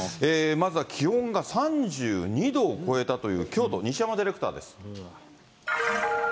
まずは気温が３２度を超えたという京都、西山ディレクターです。